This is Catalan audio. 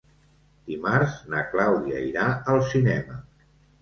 Dimarts na Clàudia irà al cinema.